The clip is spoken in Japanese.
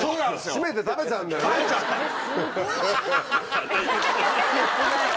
絞めて食べちゃうんだよね！